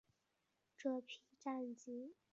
这批战机被用于飞行员训练之用。